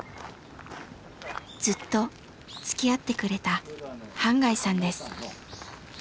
ずっと付き合ってくれた半谷さんです。